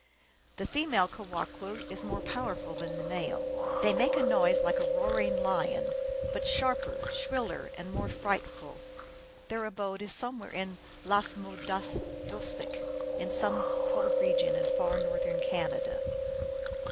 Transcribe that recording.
The female Kewahqu is more powerful than the male. They make a noise like a roaring lion (pee h tahlo\ but sharper (shriller) and more frightful. Their abode is somewhere in Ias mu das doosek, in some cold region in far Northern Canada.